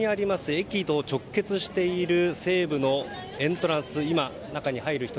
駅と直結している西武のエントランス。